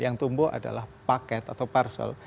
yang tumbuh adalah paket atau parcel